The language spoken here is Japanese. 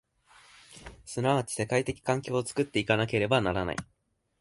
即ち世界的環境を作って行かなければならない。